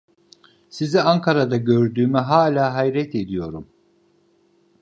Sizi Ankara'da gördüğüme hâlâ hayret ediyorum!